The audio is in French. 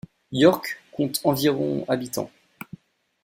York compte environ habitants.